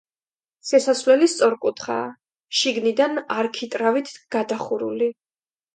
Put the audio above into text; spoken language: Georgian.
შესასვლელი სწორკუთხაა, შიგნიდან არქიტრავით გადახურული.